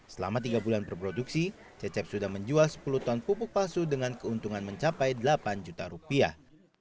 selama tiga bulan berproduksi cecep sudah menjual sepuluh ton pupuk palsu dengan keuntungan mencapai delapan juta rupiah